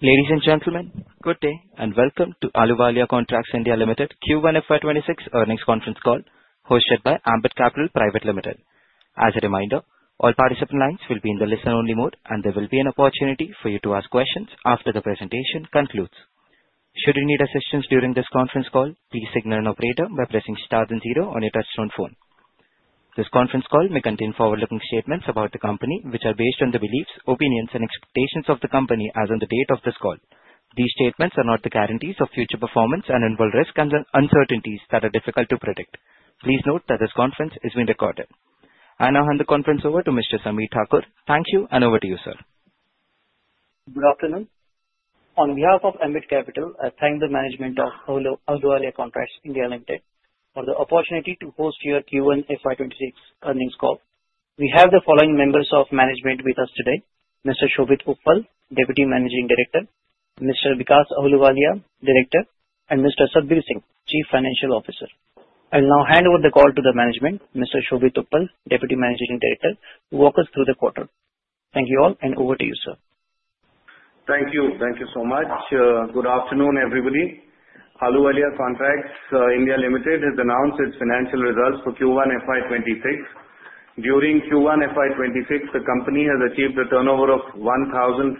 Ladies and gentlemen, good day and welcome to Ahluwalia Contracts (India) Limited Q1 FY 2026 earnings conference call, hosted by Ambit Capital Private Limited. As a reminder, all participant lines will be in the listen-only mode, and there will be an opportunity for you to ask questions after the presentation concludes. Should you need assistance during this conference call, please signal an operator by pressing star then zero on your touch-tone phone. This conference call may contain forward-looking statements about the company, which are based on the beliefs, opinions, and expectations of the company as of the date of this call. These statements are not the guarantees of future performance and involve risks and uncertainties that are difficult to predict. Please note that this conference is being recorded. I now hand the conference over to Mr. Sameer Thakur. Thank you, and over to you, sir. Good afternoon. On behalf of Ambit Capital, I thank the management of Ahluwalia Contracts (India) Limited for the opportunity to host your Q1 FY 2026 earnings call. We have the following members of management with us today: Mr. Shobhit Uppal, Deputy Managing Director, Mr. Vikas Ahluwalia, Director, and Mr. Satbeer Singh, Chief Financial Officer. I will now hand over the call to the management, Mr. Shobhit Uppal, Deputy Managing Director, who will walk us through the quarter. Thank you all, and over to you, sir. Thank you. Thank you so much. Good afternoon, everybody. Ahluwalia Contracts (India) Limited has announced its financial results for Q1 FY 2026. During Q1 FY 2026, the company has achieved a turnover of 1,004.88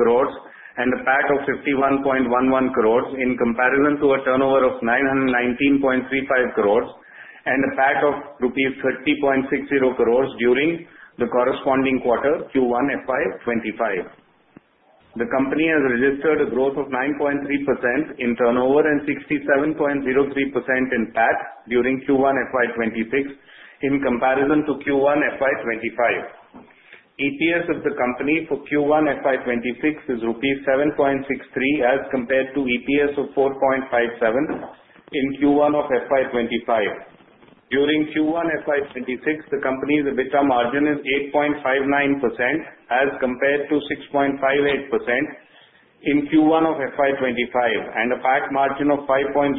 crore and a PAT of 51.11 crore in comparison to a turnover of 919.35 crore and a PAT of rupees 30.60 crore during the corresponding quarter, Q1 FY 2025. The company has registered a growth of 9.3% in turnover and 67.03% in PAT during Q1 FY 2026 in comparison to Q1 FY 2025. EPS of the company for Q1 FY 2026 is rupees 7.63 as compared to EPS of 4.57 in Q1 of FY 2025. During Q1 FY 2026, the company's EBITDA margin is 8.59% as compared to 6.58% in Q1 of FY 2025, and a PAT margin of 5.01%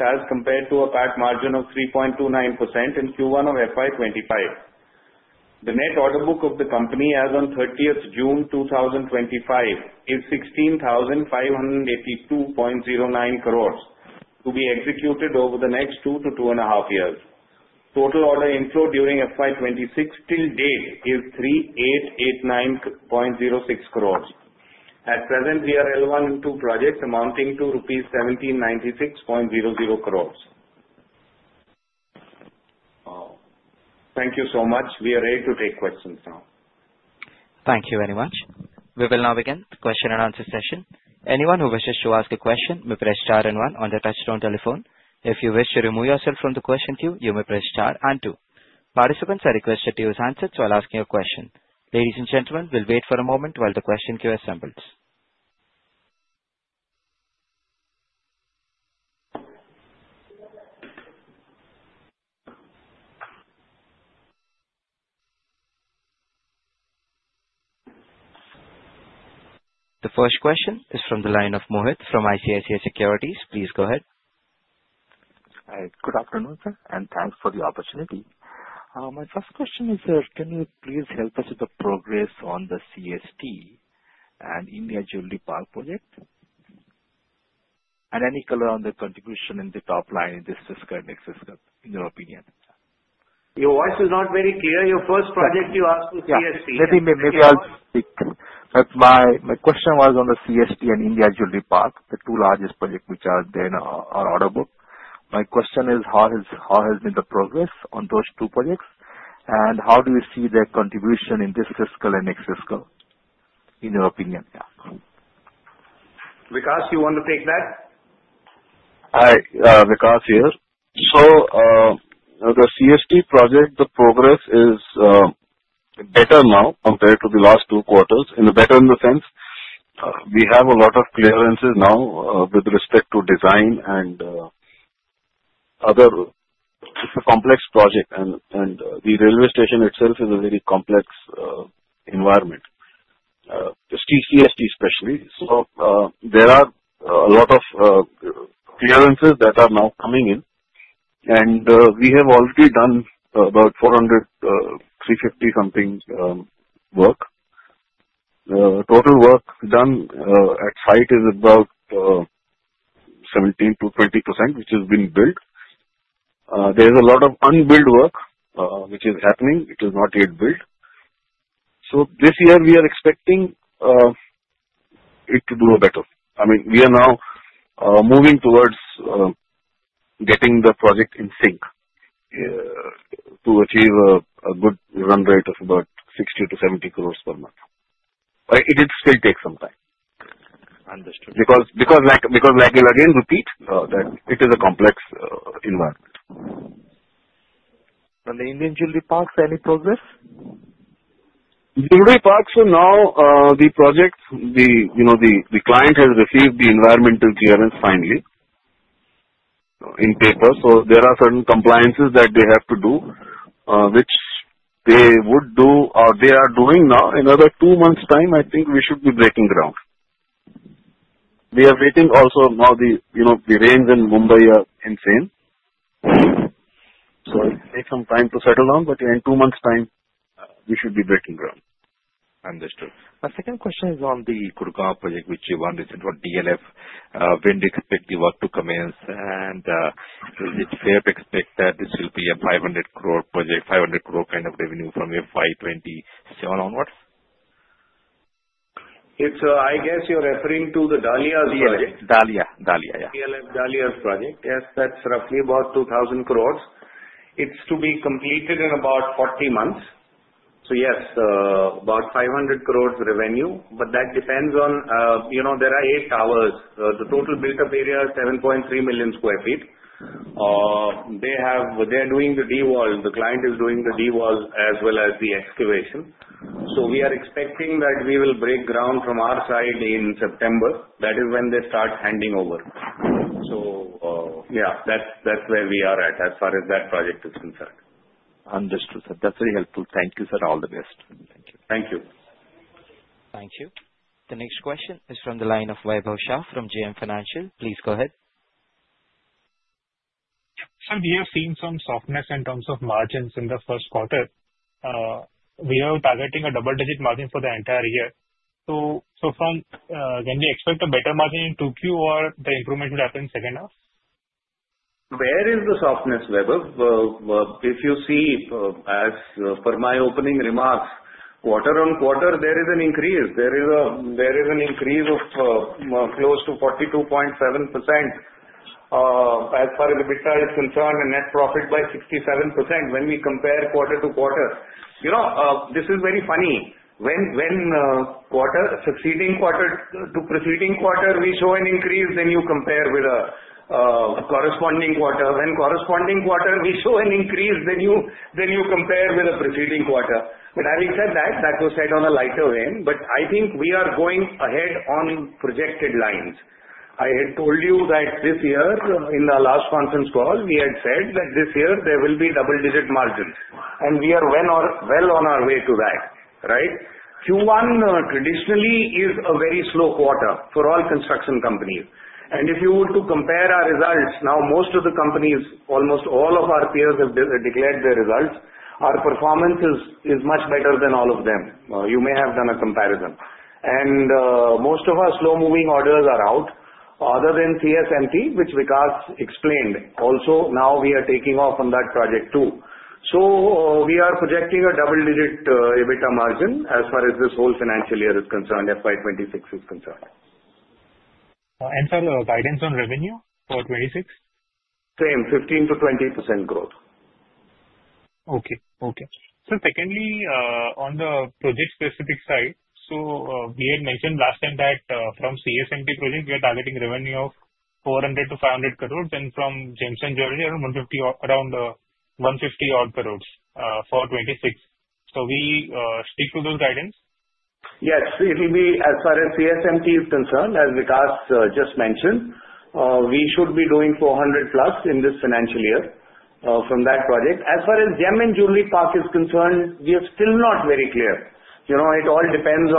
as compared to a PAT margin of 3.29% in Q1 of FY 2025. The net order book of the company as of 30th June 2025 is 16,582.09 crore to be executed over the next two to 2.5 years. Total order inflow during FY 2026 till date is 3,889.06 crore. At present, we are L1, L2 projects amounting to rupees 1,796.00 crore. Thank you so much. We are ready to take questions now. Thank you very much. We will now begin the question and answer session. Anyone who wishes to ask a question may press star and one on the touch-tone telephone. If you wish to remove yourself from the question queue, you may press star and two. Participants are requested to use handsets while asking a question. Ladies and gentlemen, we'll wait for a moment while the question queue assembles. The first question is from the line of Mohit from ICICI Securities. Please go ahead. Hi. Good afternoon, sir, and thanks for the opportunity. My first question is, sir, can you please help us with the progress on the CST and India Jewellery Park project? And any color on the contribution in the top-line in this fiscal and next fiscal, in your opinion? Your voice is not very clear. Your first project you asked was CST. Let me, maybe I'll speak. My question was on the CST and India Jewellery Park, the two largest projects which are there in our order book. My question is, how has been the progress on those two projects? And how do you see their contribution in this fiscal and next fiscal, in your opinion? Vikas? You want to take that? Hi. Vikas here. So the CST project, the progress is better now compared to the last two quarters. Better in the sense we have a lot of clearances now with respect to design and other complex projects. And the railway station itself is a very complex environment, CST especially. So there are a lot of clearances that are now coming in. And we have already done about 400, 350-something work. Total work done at site is about 17%-20%, which has been built. There is a lot of unbuilt work which is happening. It is not yet built. So this year, we are expecting it to do better. I mean, we are now moving towards getting the project in sync to achieve a good run rate of about 60 crore-70 crore per month. It will still take some time. Understood. Because I can again repeat that it is a complex environment. And the India Jewellery Park, any progress? Jewellery Park, so now the project, the client has received the environmental clearance finally in paper. So there are certain compliances that they have to do, which they would do or they are doing now. In another two months' time, I think we should be breaking ground. We are waiting also now. The rains in Mumbai are insane. So it takes some time to settle down. But in two months' time, we should be breaking ground. Understood. My second question is on the Dahlias project, which you've undertaken for DLF. When do you expect the work to commence? And is it fair to expect that this will be a 500 crore project, 500 crore kind of revenue from FY 2027 onwards? I guess you're referring to the Dahlias project. Dahlias, Dahlias. Yeah. DLF, The Dahlias project. Yes. That's roughly about 2,000 crore. It's to be completed in about 40 months. So yes, about 500 crore revenue. But that depends on there are eight towers. The total built-up area is 7.3 million sq ft. They are doing the D-wall. The client is doing the D-wall as well as the excavation. So we are expecting that we will break ground from our side in September. That is when they start handing over. So yeah, that's where we are at as far as that project is concerned. Understood, sir. That's very helpful. Thank you, sir. All the best. Thank you. Thank you. Thank you. The next question is from the line of Vaibhav Shah from JM Financial. Please go ahead. Sir, we have seen some softness in terms of margins in the first quarter. We are targeting a double-digit margin for the entire year. So when do you expect a better margin in 2Q, or the improvement will happen in the second half? Where is the softness, Vaibhav? If you see, as per my opening remarks, quarter on quarter, there is an increase. There is an increase of close to 42.7% as far as EBITDA is concerned and net profit by 67% when we compare quarter to quarter. This is very funny. When the preceding quarter to preceding quarter, we show an increase, then you compare with a corresponding quarter. When corresponding quarter, we show an increase, then you compare with a preceding quarter. But having said that, that was said on a lighter way. But I think we are going ahead on projected lines. I had told you that this year, in the last conference call, we had said that this year, there will be double-digit margins. And we are well on our way to that. Right? Q1 traditionally is a very slow quarter for all construction companies. And if you were to compare our results. Now most of the companies, almost all of our peers have declared their results. Our performance is much better than all of them. You may have done a comparison. And most of our slow-moving orders are out other than CSMT, which Vikas explained. Also, now we are taking off on that project too. So we are projecting a double-digit EBITDA margin as far as this whole financial year is concerned, FY 2026 is concerned. Sir, the guidance on revenue for 2026? Same. 15%-20% growth. Okay. Okay. So secondly, on the project-specific side, so we had mentioned last time that from CSMT project, we are targeting revenue of 400 crore-500 crore, and from India Jewellery Park, around 150 crore for 2026. So we stick to those guidance? Yes. As far as CSMT is concerned, as Vikas just mentioned, we should be doing 400+ in this financial year from that project. As far as India Jewellery Park is concerned, we are still not very clear. It all depends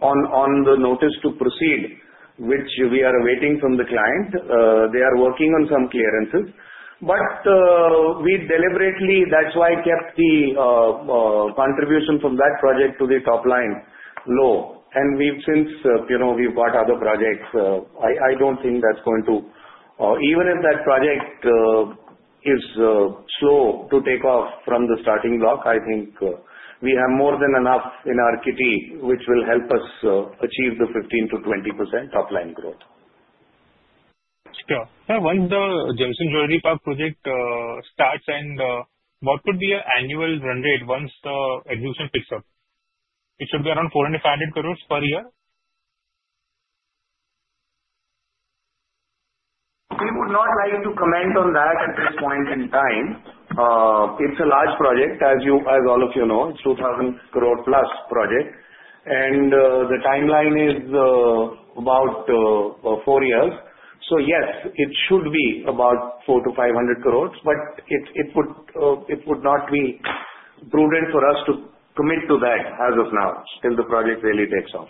on the notice to proceed, which we are awaiting from the client. They are working on some clearances. But we deliberately, that's why I kept the contribution from that project to the top-line low. And since we've got other projects, I don't think that's going to even if that project is slow to take off from the starting block, I think we have more than enough in our kitty, which will help us achieve the 15%-20% top-line growth. Sure. Sir, once the India Jewellery Park project starts and what would be your annual run rate once the execution picks up? It should be around INR 400 crore-INR 500 crore per year? We would not like to comment on that at this point in time. It's a large project, as all of you know. It's a 2,000+ crore project. And the timeline is about four years. So yes, it should be about 400 crore-500 crore. But it would not be prudent for us to commit to that as of now until the project really takes off.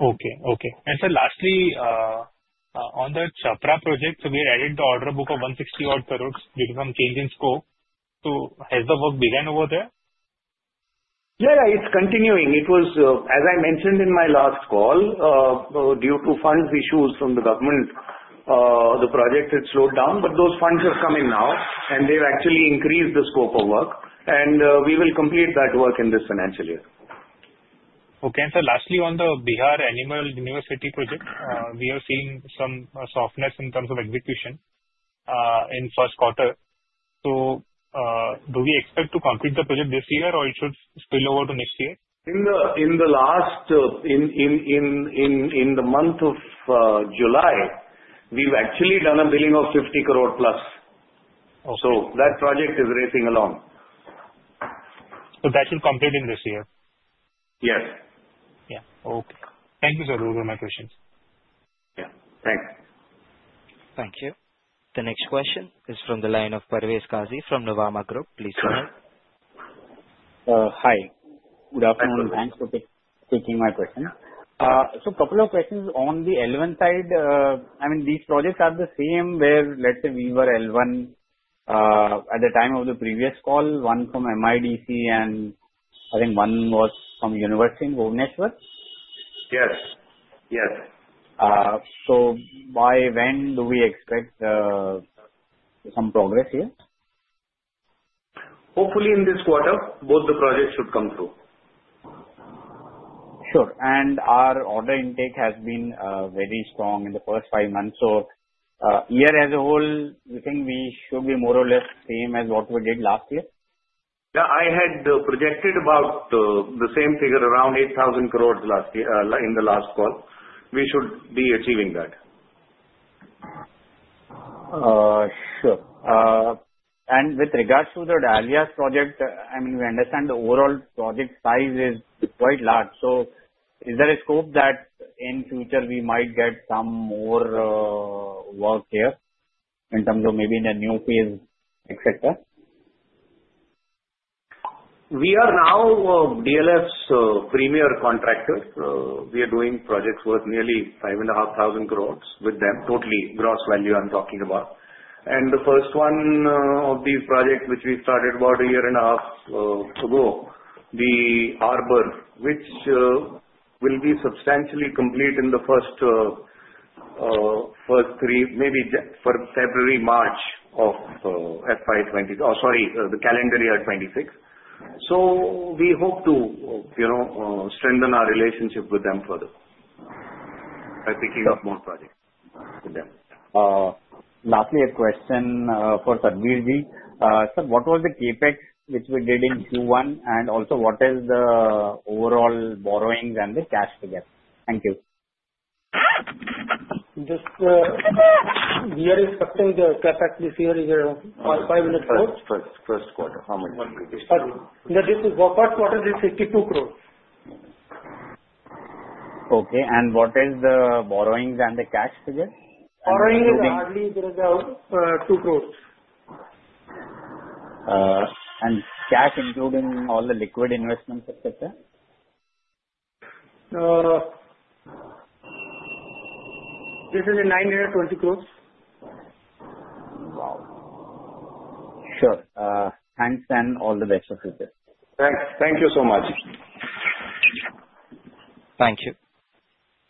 Okay. Okay. And sir, lastly, on the Chhapra project, we are adding to order book of 160-odd crore because I'm changing scope. So has the work begun over there? Yeah. Yeah. It's continuing. As I mentioned in my last call, due to fund issues from the government, the project had slowed down. But those funds are coming now. And they've actually increased the scope of work. And we will complete that work in this financial year. Okay. And sir, lastly, on the Bihar Animal University project, we are seeing some softness in terms of execution in first quarter. So do we expect to complete the project this year, or it should spill over to next year? In the last month of July, we've actually done a billing of 50+ crore. So that project is racing along. So that should complete in this year? Yes. Yeah. Okay. Thank you, sir. Those were my questions. Yeah. Thanks. Thank you. The next question is from the line of Parvez Qazi from Nuvama Group. Please go ahead. Hi. Good afternoon. Thanks for taking my question. So a couple of questions on the L1 side. I mean, these projects are the same where let's say we were L1 at the time of the previous call, one from MIDC, and I think one was from University in Bhubaneswar? Yes. Yes. So by when do we expect some progress here? Hopefully, in this quarter, both the projects should come through. Sure. And our order intake has been very strong in the first five months. So year as a whole, do you think we should be more or less same as what we did last year? Yeah. I had projected about the same figure, around 8,000 crore in the last call. We should be achieving that. Sure. And with regards to the Dahlias project, I mean, we understand the overall project size is quite large. So is there a scope that in future we might get some more work here in terms of maybe in a new phase, etc.? We are now DLF's premier contractor. We are doing projects worth nearly 5,500 crore with them totally. Gross value, I'm talking about. And the first one of these projects, which we started about a year and a half ago, The Arbour, which will be substantially complete in the first three, maybe for February, March of FY 2026. Oh, sorry, the calendar year 2026. So we hope to strengthen our relationship with them further by picking up more projects with them. Lastly, a question for Satbeer Singh. Sir, what was the CapEx which we did in Q1? And also, what is the overall borrowings and the cash together? Thank you. Just we are expecting the CapEx this year is 500 crore? First quarter. How much? First quarter, it's 82 crore. Okay. And what is the borrowings and the cash together? Borrowing is hardly 2 crore. Cash, including all the liquid investments, etc.? This is in nine-year, INR 20 crore. Wow. Sure. Thanks, and all the best for future. Thank you so much. Thank you.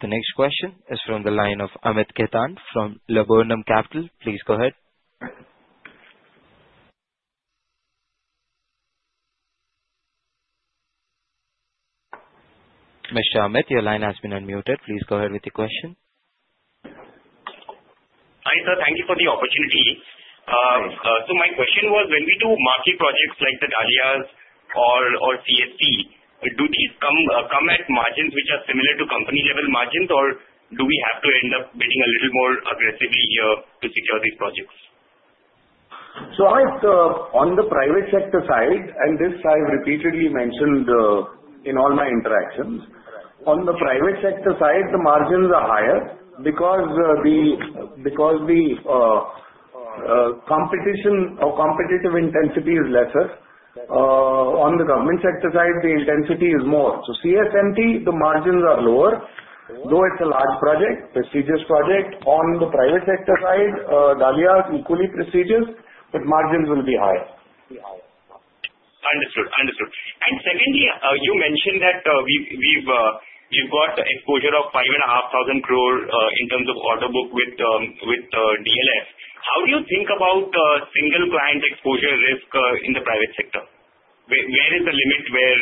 The next question is from the line of Amit Khetan from Laburnum Capital. Please go ahead. Mr. Amit, your line has been unmuted. Please go ahead with your question. Hi, sir. Thank you for the opportunity. So my question was, when we do marquee projects like the Dahlias or CST, do these come at margins which are similar to company-level margins, or do we have to end up bidding a little more aggressively here to secure these projects? So on the private sector side, and this I've repeatedly mentioned in all my interactions, on the private sector side, the margins are higher because the competition or competitive intensity is lesser. On the government sector side, the intensity is more. So CSMT, the margins are lower, though it's a large project, prestigious project. On the private sector side, Dahlias is equally prestigious, but margins will be higher. Understood. Understood. And secondly, you mentioned that we've got exposure of 5,500 crore in terms of order book with DLF. How do you think about single client exposure risk in the private sector? Where is the limit where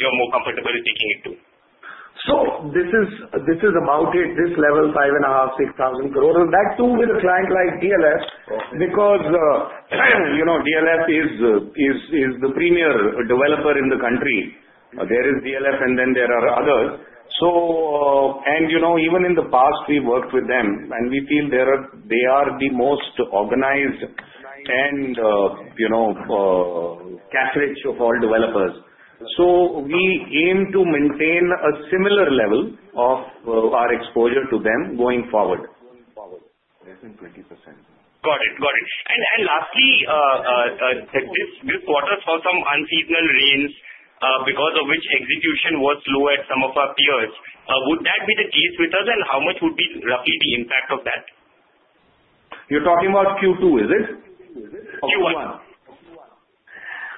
you're more comfortable taking it to? This is about this level, 5,500 crore-6,000 crore. And that too with a client like DLF because DLF is the premier developer in the country. There is DLF, and then there are others. And even in the past, we've worked with them. And we feel they are the most organized and cash-rich of all developers. So we aim to maintain a similar level of our exposure to them going forward. Less than 20%. Got it. Got it. And lastly, this quarter, for some unseasonal rains because of which execution was slow at some of our peers, would that be the case with us? And how much would be roughly the impact of that? You're talking about Q2, is it? Q1.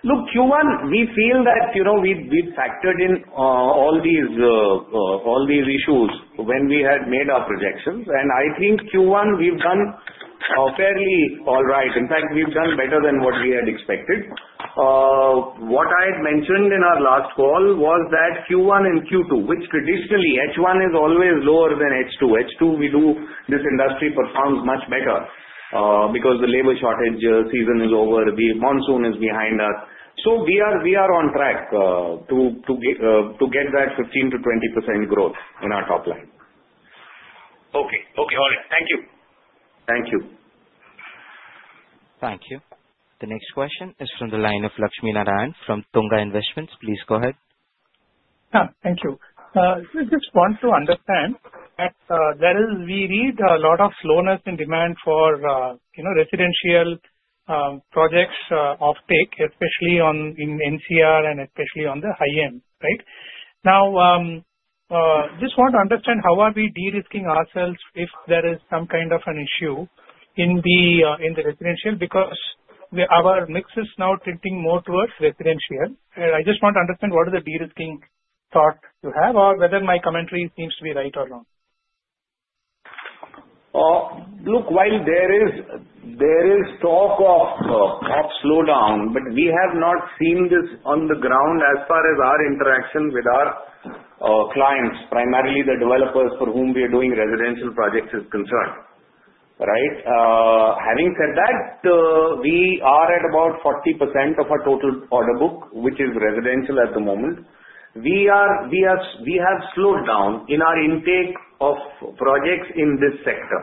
Look, Q1, we feel that we've factored in all these issues when we had made our projections. And I think Q1, we've done fairly all right. In fact, we've done better than what we had expected. What I had mentioned in our last call was that Q1 and Q2, which traditionally H1 is always lower than H2. H2, we do this industry performs much better because the labor shortage season is over. The monsoon is behind us. So we are on track to get that 15%-20% growth in our top-line. Okay. All right. Thank you. Thank you. Thank you. The next question is from the line of Lakshminarayanan from Tunga Investments. Please go ahead. Yeah. Thank you. We just want to understand that we read a lot of slowness in demand for residential projects offtake, especially in NCR and especially on the high-end. Right? Now, I just want to understand how are we de-risking ourselves if there is some kind of an issue in the residential because our mix is now tilting more towards residential. And I just want to understand what is the de-risking thought you have or whether my commentary seems to be right or wrong. Look, while there is talk of slowdown, but we have not seen this on the ground as far as our interaction with our clients, primarily the developers for whom we are doing residential projects is concerned. Right? Having said that, we are at about 40% of our total order book, which is residential at the moment. We have slowed down in our intake of projects in this sector.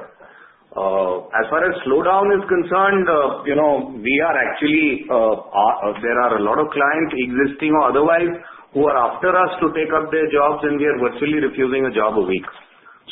As far as slowdown is concerned, we are actually, there are a lot of clients existing or otherwise who are after us to take up their jobs, and we are virtually refusing a job a week.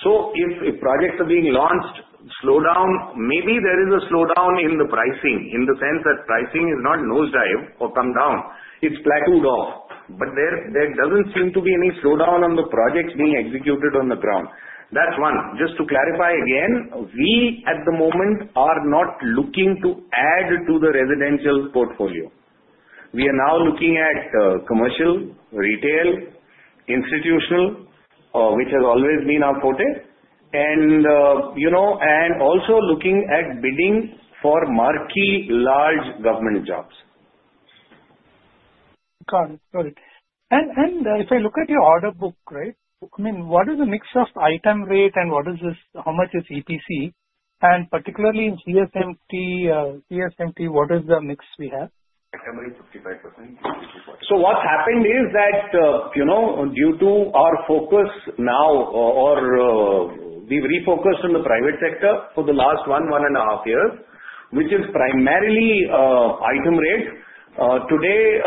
So if projects are being launched, slowdown, maybe there is a slowdown in the pricing in the sense that pricing is not nosedive or come down. It's plateaued off. But there doesn't seem to be any slowdown on the projects being executed on the ground. That's one. Just to clarify again, we at the moment are not looking to add to the residential portfolio. We are now looking at commercial, retail, institutional, which has always been our forte, and also looking at bidding for marquee large government jobs. Got it. Got it. And if I look at your order book, right, I mean, what is the mix of item rate and how much is EPC? And particularly in CSMT, what is the mix we have? Item rate, 55%. So what's happened is that due to our focus now, or we've refocused on the private sector for the last 1.5 years, which is primarily item rate. Today,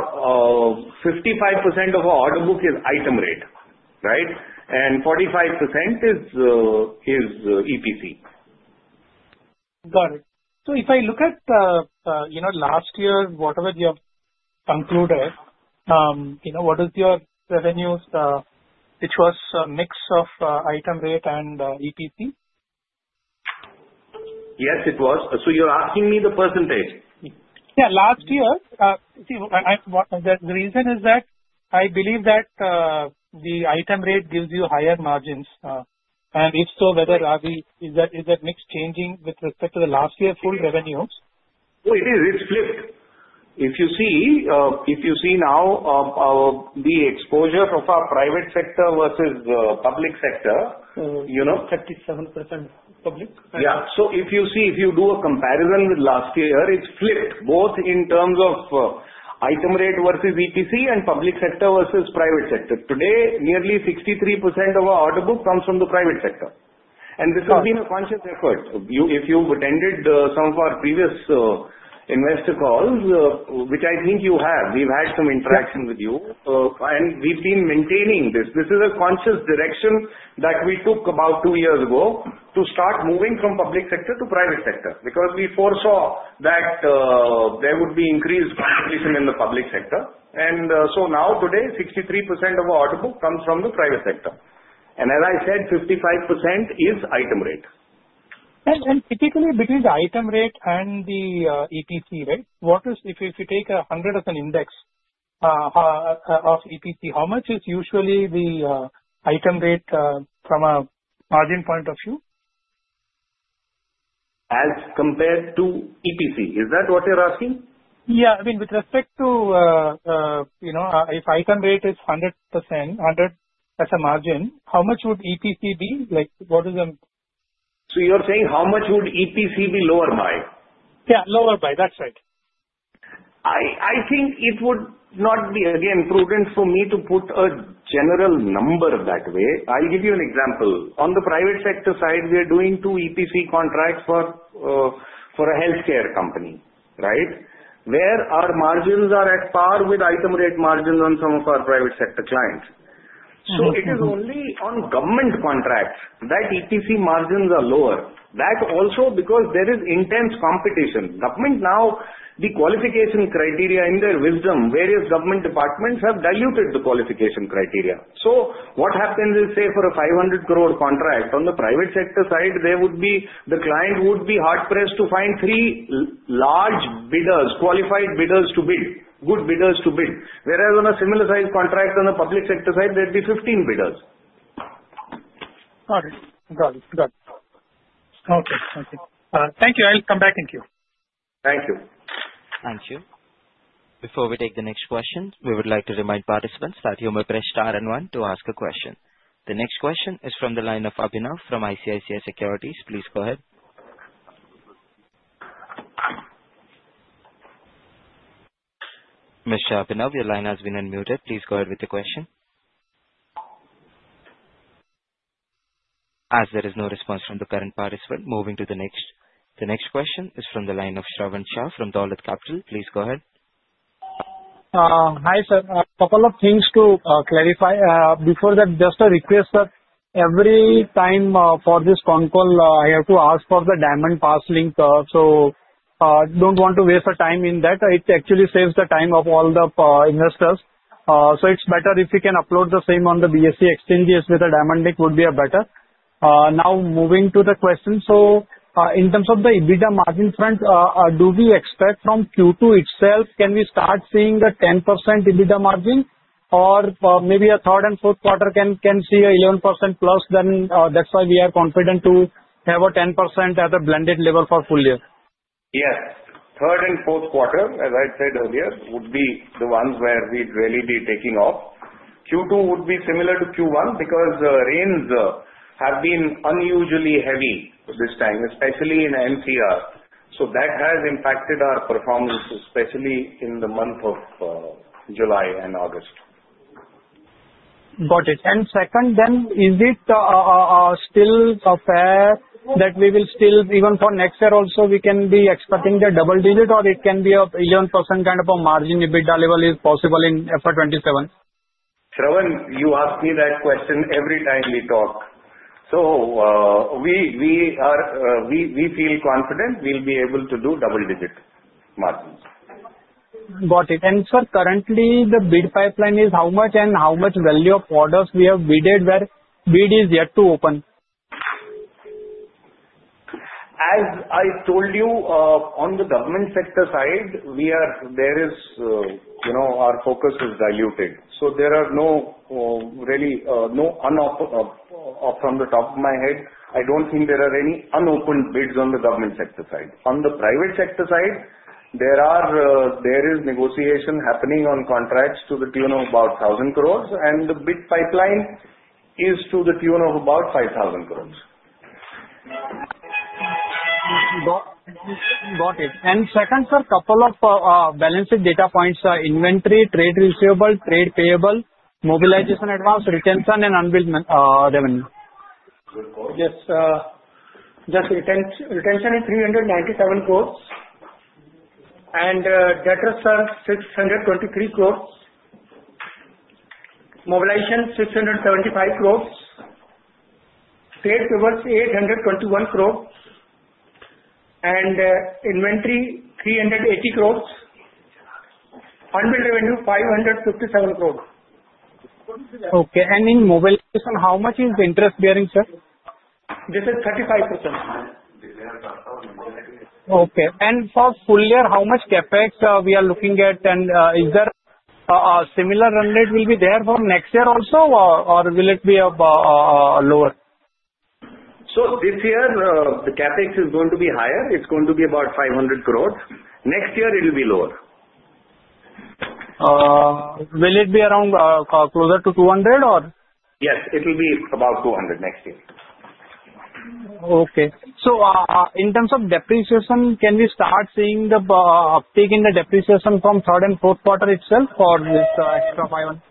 now 55% of our order book is item rate. Right? And 45% is EPC. Got it. So if I look at last year, whatever you concluded, what is your revenue, which was a mix of item rate and EPC? Yes, it was. So you're asking me the percentage? Yeah. Last year, see, the reason is that I believe that the item rate gives you higher margins. And if so, whether is that mix changing with respect to the last year's full revenues? Oh, it is. It's flipped. If you see now the exposure of our private sector versus public sector. 37% public? Yeah. So if you do a comparison with last year, it's flipped both in terms of item rate versus EPC and public sector versus private sector. Today, nearly 63% of our order book comes from the private sector. And this has been a conscious effort. If you've attended some of our previous investor calls, which I think you have, we've had some interaction with you. And we've been maintaining this. This is a conscious direction that we took about two years ago to start moving from public sector to private sector because we foresaw that there would be increased competition in the public sector. And so now, today, 63% of our order book comes from the private sector. And as I said, 55% is item rate. Typically, between the item rate and the EPC, right, if you take 100 as an index of EPC, how much is usually the item rate from a margin point of view? As compared to EPC? Is that what you're asking? Yeah. I mean, with respect to if item rate is 100%, 100 as a margin, how much would EPC be? What is the? So you're saying how much would EPC be lower by? Yeah. Lower by. That's right. I think it would not be, again, prudent for me to put a general number that way. I'll give you an example. On the private sector side, we are doing two EPC contracts for a healthcare company. Right? Where our margins are at par with item rate margins on some of our private sector clients. So it is only on government contracts that EPC margins are lower. That also because there is intense competition. Government now, the qualification criteria, in their wisdom, various government departments have diluted the qualification criteria. So what happens is, say, for an 500 crore contract on the private sector side, the client would be hard-pressed to find three large bidders, qualified bidders to bid, good bidders to bid. Whereas on a similar-sized contract on the public sector side, there'd be 15 bidders. Got it. Okay. Thank you. I'll come back and queue. Thank you. Thank you. Before we take the next question, we would like to remind participants that you may press star and one to ask a question. The next question is from the line of Abhinav from ICICI Securities. Please go ahead. Mr. Abhinav, your line has been unmuted. Please go ahead with the question. As there is no response from the current participant, moving to the next. The next question is from the line of Shravan Shah from Dolat Capital. Please go ahead. Hi, sir. A couple of things to clarify. Before that, just a request, sir. Every time for this phone call, I have to ask for the dial-in pass link. So I don't want to waste the time in that. It actually saves the time of all the investors. So it's better if we can upload the same on the BSE exchanges with a dial-in link; that would be better. Now, moving to the question. So in terms of the EBITDA margin front, do we expect from Q2 itself can we start seeing a 10% EBITDA margin? Or maybe a third and fourth quarter can see 11%+; then that's why we are confident to have a 10% at a blended level for full year? Yes. Third and fourth quarter, as I said earlier, would be the ones where we'd really be taking off. Q2 would be similar to Q1 because the rains have been unusually heavy this time, especially in NCR. So that has impacted our performance, especially in the month of July and August. Got it. And second, then, is it still a fair that we will still, even for next year also, we can be expecting the double-digit, or it can be a 11% kind of a margin EBITDA level is possible in FY 2027? Shravan, you ask me that question every time we talk. So we feel confident we'll be able to do double-digit margins. Got it. And sir, currently, the bid pipeline is how much and how much value of orders we have bid where bid is yet to open? As I told you, on the government sector side, there is our focus is diluted. So there are really no from the top of my head, I don't think there are any unopened bids on the government sector side. On the private sector side, there is negotiation happening on contracts to the tune of about 1,000 crore, and the bid pipeline is to the tune of about 5,000 crore. Got it. And second, sir, couple of balancing data points: inventory, trade receivable, trade payable, mobilization advance, retention, and unbilled revenue. Yes. Just retention is 397 crore, and debtors is 623 crore. Mobilization, 675 crore. Trade payables, 821 crore. And inventory, 380 crore. Unbilled revenue, 557 crore. Okay. And in mobilization, how much is the interest bearing, sir? This is 35%. Okay. And for full year, how much CapEx we are looking at? And is there a similar run rate will be there for next year also, or will it be lower? So this year, the CapEx is going to be higher. It's going to be about 500 crore. Next year, it will be lower. Will it be around closer to 200, or? Yes. It will be about 200 next year. Okay, so in terms of depreciation, can we start seeing the uptake in the depreciation from third and fourth quarter itself for this extra 500?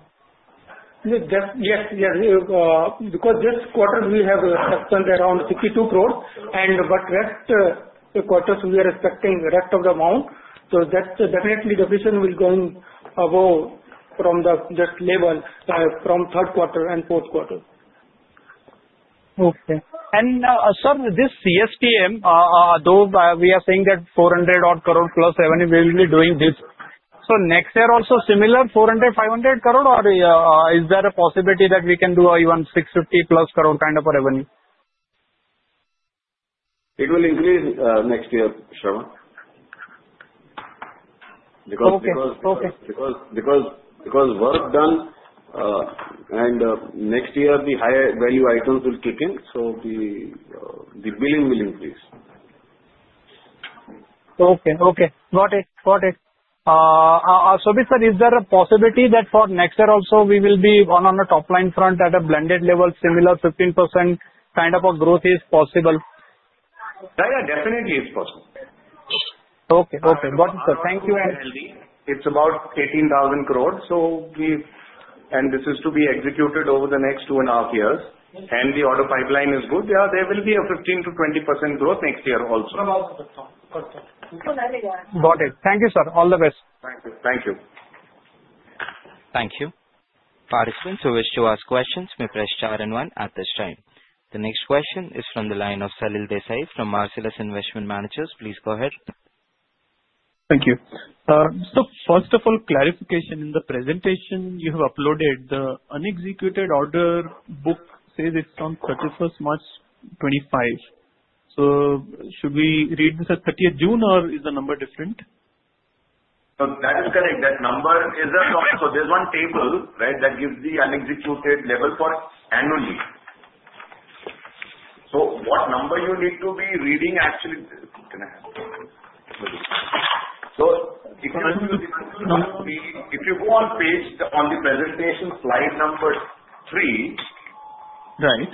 Yes. Yes. Because this quarter, we have expected around 52 crore, but rest quarters, we are expecting rest of the amount. So definitely, depreciation will go above from the just level from third quarter and fourth quarter. Okay. And sir, this CSMT, though we are saying that 400-odd+ crore revenue, we'll be doing this. So next year also, similar 400 crore-500 crore, or is there a possibility that we can do even 650+ crore kind of a revenue? It will increase next year, Shravan, because work done, and next year, the higher value items will kick in. So the billing will increase. Okay. Got it. So, sir, is there a possibility that for next year also, we will be on a top-line front at a blended level, similar 15% kind of a growth is possible? Yeah. Yeah. Definitely, it's possible. Okay. Okay. Got it, sir. Thank you. It's about 18,000 crore, and this is to be executed over the next 2.5 years, and the order pipeline is good. Yeah. There will be a 15%-20% growth next year also. Got it. Thank you, sir. All the best. Thank you. Thank you. Thank you. Participants who wish to ask questions may press star and one at this time. The next question is from the line of Salil Desai from Marcellus Investment Managers. Please go ahead. Thank you. So, first of all, clarification in the presentation, you have uploaded the unexecuted order book says it's on 31st March 2025. So should we read this as 30th June, or is the number different? That is correct. That number is a problem. So there's one table, right, that gives the unexecuted level for annually. So what number you need to be reading, actually, can I have? So if you go on page on the presentation slide number three, right,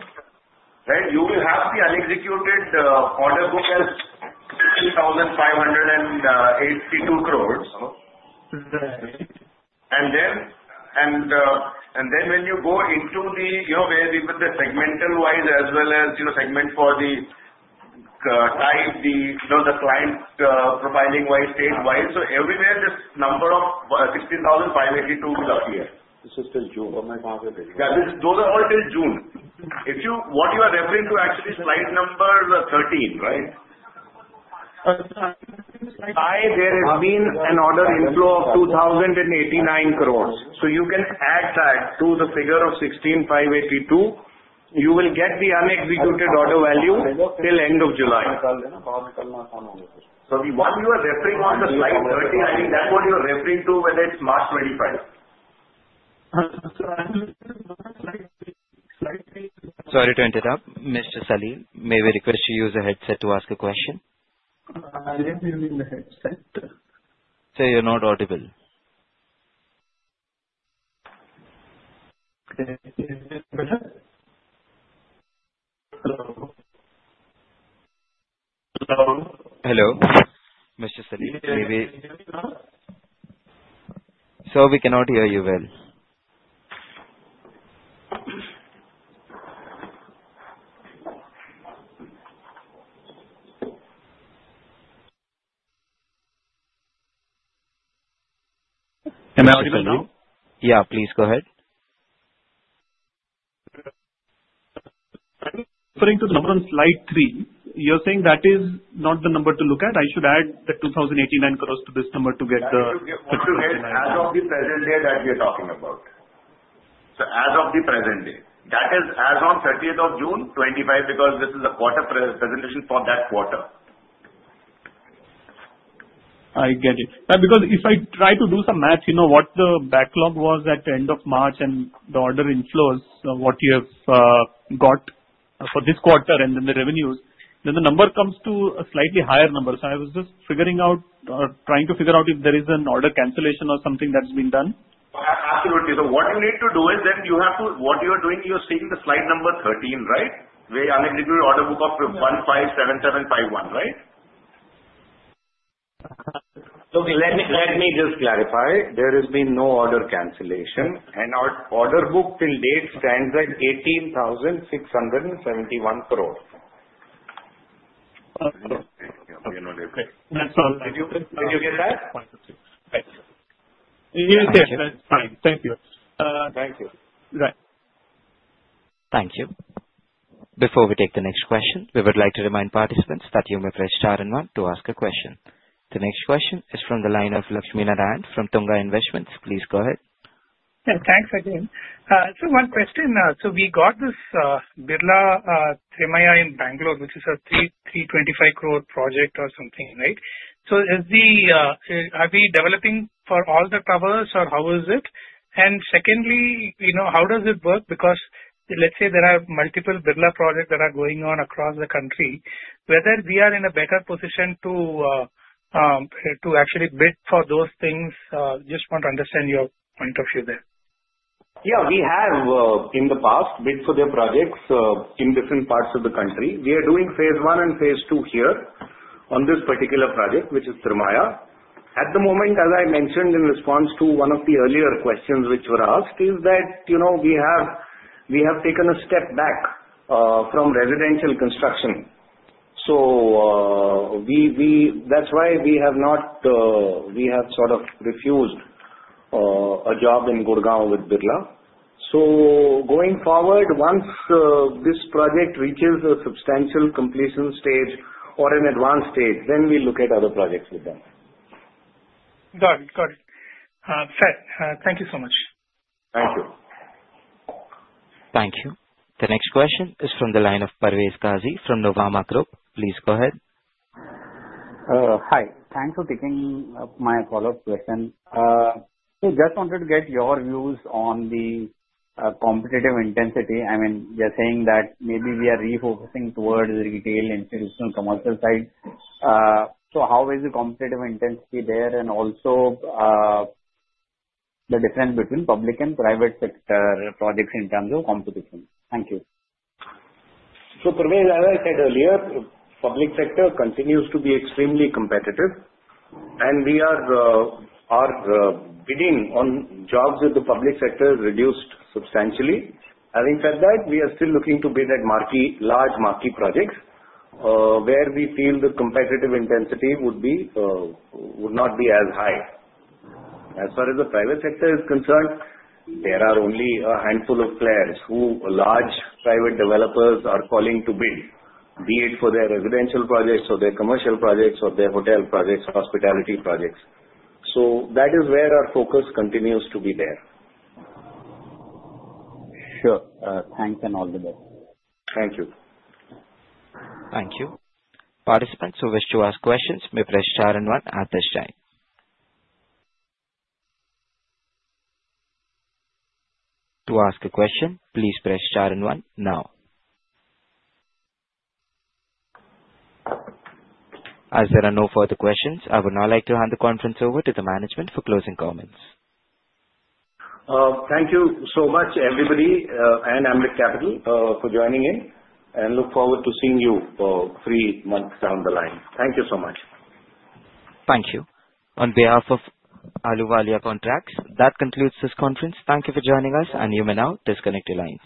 you will have the unexecuted order book as INR 15,582 crore. And then when you go into the where we put the segmental-wise as well as segment for the type, the client profiling-wise, state-wise, so everywhere, this number of 16,582 will appear. This is till June. Oh my God. Yeah. Those are all till June. What you are referring to, actually, is slide number 13, right? Slide 13. There has been an order inflow of 2,089 crore. So you can add that to the figure of 16,582. You will get the unexecuted order value till end of July. So the one you are referring on, the slide 13, I think that's what you're referring to, whether it's March 2025. Sorry to interrupt. Mr. Salil, may we request you use a headset to ask a question? I am using the headset. You're not audible. Okay. Is this better? Hello. Hello. Hello. Mr. Salil, may we? Hello. So we cannot hear you well. How about now? Yeah. Please go ahead. Referring to the number on slide three, you're saying that is not the number to look at. I should add the 2,089 crore to this number to get the. As of the present day that we are talking about. So as of the present day. That is as of 30th of June 2025 because this is a quarter presentation for that quarter. I get it. Because if I try to do some math, what the backlog was at the end of March and the order inflows, what you have got for this quarter and then the revenues, then the number comes to a slightly higher number. So I was just figuring out or trying to figure out if there is an order cancellation or something that's been done. Absolutely. So what you need to do is then you have to what you are doing, you're seeing the slide number 13, right, where unexecuted order book of 157,751, right? So let me just clarify. There has been no order cancellation. And our order book till date stands at 18,671 crore. Okay. Did you get that? Yes. Thank you. Thank you. Thank you. Right. Thank you. Before we take the next question, we would like to remind participants that you may press star and one to ask a question. The next question is from the line of Lakshminarayanan from Tunga Investments. Please go ahead. Thanks again. One question. We got this Birla Trimaya in Bangalore, which is a 325 crore project or something, right? Are we developing for all the towers, or how is it? And secondly, how does it work? Because let's say there are multiple Birla projects that are going on across the country. Are we in a better position to actually bid for those things? Just want to understand your point of view there. Yeah. We have, in the past, bid for their projects in different parts of the country. We are doing phase one and phase two here on this particular project, which is Trimaya. At the moment, as I mentioned in response to one of the earlier questions which were asked, is that we have taken a step back from residential construction. So that's why we have not; we have sort of refused a job in Gurugram with Birla. So going forward, once this project reaches a substantial completion stage or an advanced stage, then we'll look at other projects with them. Got it. Got it. Sir, thank you so much. Thank you. Thank you. The next question is from the line of Parvez Qazi from Nuvama Group. Please go ahead. Hi. Thanks for taking my follow-up question. So just wanted to get your views on the competitive intensity. I mean, you're saying that maybe we are refocusing towards the retail, institutional, commercial side. So how is the competitive intensity there? And also the difference between public and private sector projects in terms of competition? Thank you. So Parvez, as I said earlier, public sector continues to be extremely competitive. And our bidding on jobs in the public sector has reduced substantially. Having said that, we are still looking to bid at large marquee projects where we feel the competitive intensity would not be as high. As far as the private sector is concerned, there are only a handful of players who large private developers are calling to bid, be it for their residential projects, or their commercial projects, or their hotel projects, hospitality projects. So that is where our focus continues to be there. Sure. Thanks and all the best. Thank you. Thank you. Participants who wish to ask questions, may press star and one at this time. To ask a question, please press star and one now. As there are no further questions, I would now like to hand the conference over to the management for closing comments. Thank you so much, everybody, and Ambit Capital for joining in and look forward to seeing you three months down the line. Thank you so much. Thank you. On behalf of Ahluwalia Contracts, that concludes this conference. Thank you for joining us, and you may now disconnect your lines.